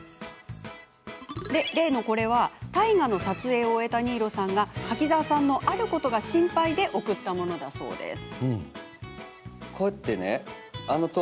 例のこれは大河の撮影を終えた新納さんが柿澤さんのあることが心配で贈ったものだそうです。